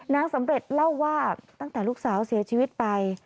นางสำเร็จเล่าว่าตั้งแต่ลูกสาวเสียชีวิตไป